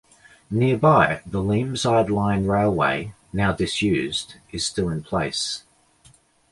Nearby, the Leamside line railway, now disused, is still in place.